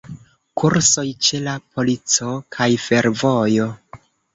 Kursoj ĉe la polico kaj fervojo.